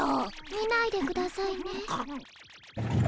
見ないでくださいね。